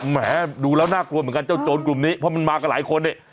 แหมดูแล้วน่ากลัวเหมือนกันเจ้าโจรกลุ่มนี้เพราะมันมากับหลายคนเนี่ย